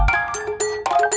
kau mau kemana